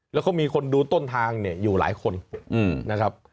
แล้วก็มีคนดูต้นทางเนี่ยอยู่หลายคนนะครับ